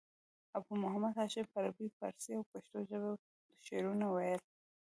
ابو محمد هاشم په عربي، پاړسي او پښتو ژبه شعرونه ویل.